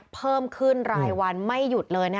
เพิ่มขึ้นรายวันไม่หยุดเลย